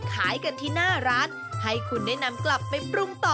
ขายกันที่หน้าร้านให้คุณได้นำกลับไปปรุงต่อ